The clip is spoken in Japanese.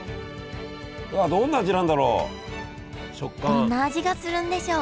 どんな味がするんでしょう？